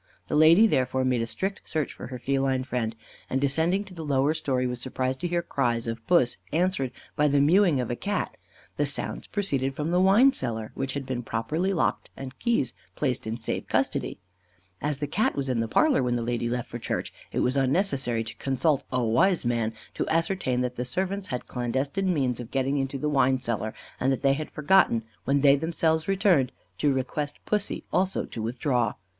The lady, therefore, made a strict search for her feline friend, and descending to the lower storey, was surprised to hear her cries of "Puss" answered by the mewing of a Cat, the sounds proceeding from the wine cellar, which had been properly locked and the key placed in safe custody. As the Cat was in the parlour when the lady left for church, it was unnecessary to consult a "wise man" to ascertain that the servants had clandestine means of getting into the wine cellar, and that they had forgotten, when they themselves returned, to request pussy, also, to withdraw.